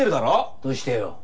どうしてよ？